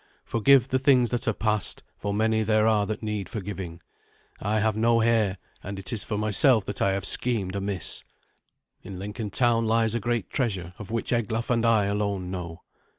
'Forgive the things that are past, for many there are that need forgiving. I have no heir, and it is for myself that I have schemed amiss. In Lincoln town lies a great treasure, of which Eglaf and I alone know.